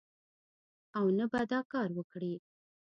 او نه به دا کار وکړي